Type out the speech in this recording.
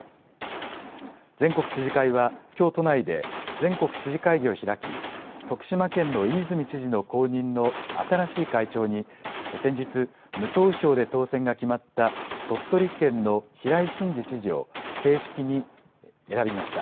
全国知事会はきょう都内で全国知事会議を開き徳島県の飯泉知事の後任の新しい会長に先日、無投票で当選が決まった鳥取県の平井伸治知事を正式に選ばれました。